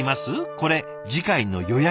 これ次回の予約日。